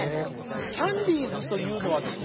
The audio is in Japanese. キャンディーズというのはですね